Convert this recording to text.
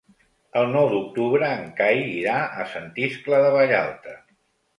El nou d'octubre en Cai irà a Sant Iscle de Vallalta.